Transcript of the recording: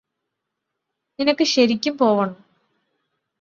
നിനക്ക് ശരിക്കും പോവണോ